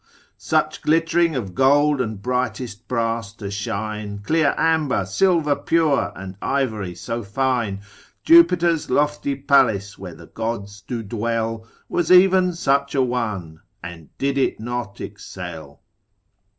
Such glittering of gold and brightest brass to shine, Clear amber, silver pure, and ivory so fine: Jupiter's lofty palace, where the gods do dwell, Was even such a one, and did it not excel.